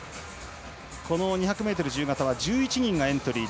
２００ｍ自由形１１人がエントリー。